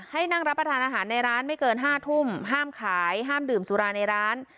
ให้นั่งรับประทานอาหารในร้านไม่เกิน๕ทุ่มห้ามขายห้ามดื่มสุราในร้าน